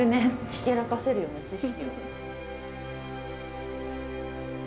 ひけらかせるよね知識。